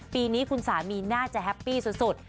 ปีนี้คุณสามีน่าจะแฮปปี้สุด